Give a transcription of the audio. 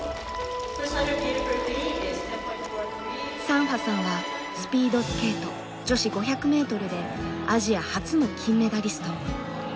サンファさんはスピードスケート女子５００ｍでアジア初の金メダリスト。